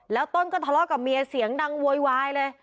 แล้วต้นก็ทะเลาะกับเมียเสียงดังโวยวายเลย